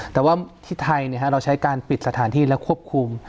แต่ว่าที่ไทยเราใช้การปิดสถานที่และควบคุม